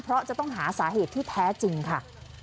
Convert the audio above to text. เพราะจะต้องหาสาเหตุที่แท้จริงค่ะ